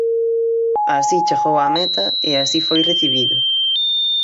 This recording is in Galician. Así chegou á meta e así foi recibido.